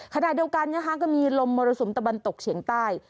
ขนาดเดียวกันก็มีลมมรสุมตะบันตกเฉียงใต้